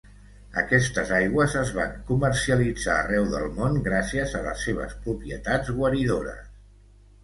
Aquestes aigües es van comercialitzar arreu del món gràcies a les seves propietats guaridores.